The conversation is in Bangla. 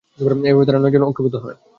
এভাবে তারা নয়জন ঐক্যবদ্ধ হয়।